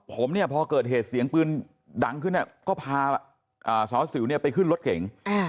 ผมเนี้ยพอเกิดเหตุเสียงปืนดังขึ้นเนี้ยก็พาอ่าสรวสิวเนี้ยไปขึ้นรถเก่งอ่า